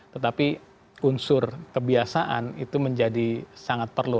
tetapi unsur kebiasaan itu menjadi sangat perlu